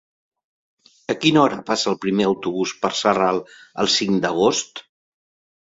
A quina hora passa el primer autobús per Sarral el cinc d'agost?